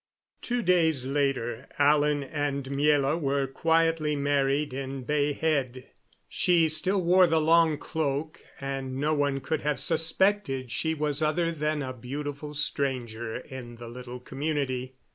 Two days later Alan and Miela were quietly married in Bay Head. She still wore the long cloak, and no one could have suspected she was other than a beautiful stranger in the little community.